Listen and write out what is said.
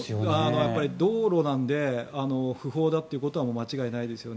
やっぱり道路なので不法だということは間違いないですよね。